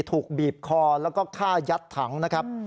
ถูกบีบคอแล้วก็ฆ่ายัดถังนะครับ